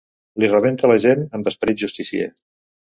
Li rebenta la gent amb esperit justicier.